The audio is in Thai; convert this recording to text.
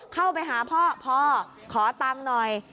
เข้าไปหาพ่อพ่อขอตังค์หน่อย